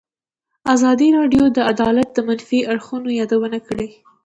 ازادي راډیو د عدالت د منفي اړخونو یادونه کړې.